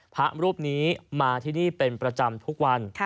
พระรูปนี้มาที่นี่เป็นประจำทุกวัน